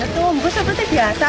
tumbuh seperti biasa